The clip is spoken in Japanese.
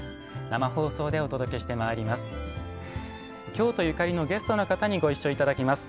生放送でお届けしてまいります。